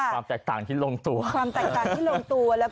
ความแตกต่างโรงตัว